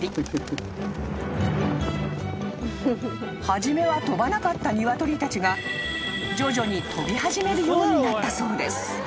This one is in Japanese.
［初めは飛ばなかったニワトリたちが徐々に飛び始めるようになったそうです］